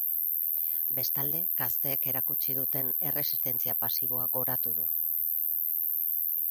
Bestalde, gazteek erakutsi duten erresistentzia pasiboa goratu du.